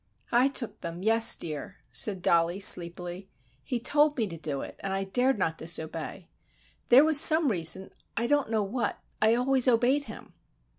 "I took them, yes, dear," said Dollie sleepily. "He told me to do it, and I dared not disobey. There was some reason, I don't know what—I always obeyed him."